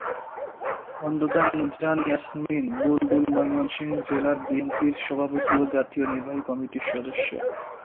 খন্দকার নূরজাহান ইয়াসমিন বুলবুল ময়মনসিংহ জেলা বিএনপির সহসভাপতি ও জাতীয় নির্বাহী কমিটির সদস্য।